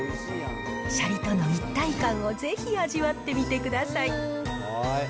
シャリとの一体感をぜひ味わってみてください。